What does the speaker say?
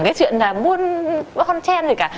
cái chuyện là muôn con chen gì cả